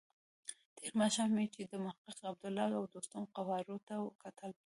تېر ماښام مې چې د محقق، عبدالله او دوستم قوارو ته کتل.